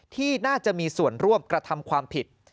ที่น่าจะมีส่วนร่วมกระทำความผิด